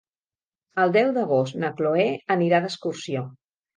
El deu d'agost na Chloé anirà d'excursió.